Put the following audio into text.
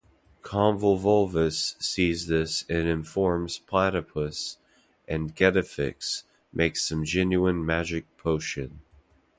Convolvulus sees this and informs Platypus, and Getafix makes some genuine Magic Potion.